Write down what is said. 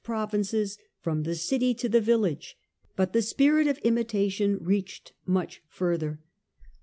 provinces, from the city to the village. But the spirit of imitation reached much further.